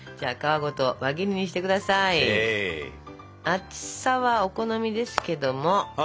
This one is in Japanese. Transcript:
厚さはお好みですけども。